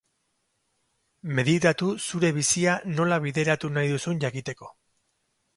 Meditatu zure bizia nola bideratu nahi duzun jakiteko.